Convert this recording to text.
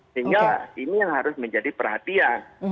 sehingga ini yang harus menjadi perhatian